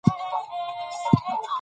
ایا ته پوهېږې چې تعلیم څومره ارزښت لري؟